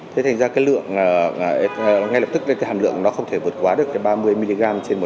thế thành ra cái lượng ngay lập tức cái hàm lượng nó không thể vượt quá được ba mươi mg trên một trăm linh ml